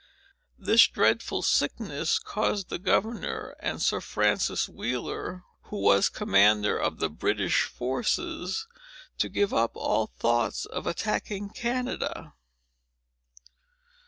This dreadful sickness caused the governor, and Sir Francis Wheeler, who was commander of the British forces, to give up all thoughts of attacking Canada.